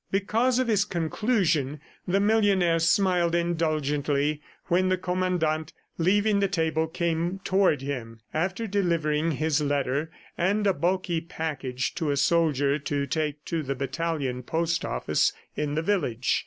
Because of his conclusion, the millionaire smiled indulgently when the Commandant, leaving the table, came toward him after delivering his letter and a bulky package to a soldier to take to the battalion post office in the village.